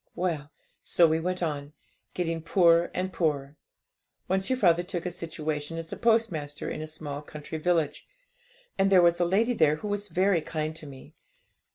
'Well, so we went on, getting poorer and poorer. Once your father took a situation as a post master in a small country village, and there was a lady there who was very kind to me.